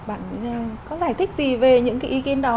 bạn có giải thích gì về những cái ý kiến đó